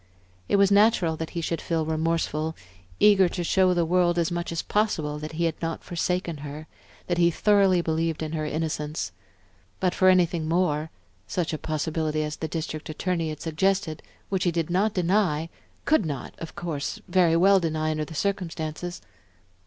It was natural that he should feel remorseful, eager to show to the world as much as possible that he had not forsaken her, that he thoroughly believed in her innocence. But for anything more, such a possibility as the District Attorney had suggested, which he did not deny, could not, of course, very well deny under the circumstances?...